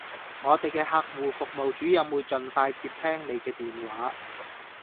我地既客戶服務主任會盡快接聽你既電話